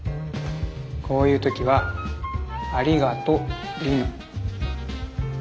こういう時は「ありがと」でいいの。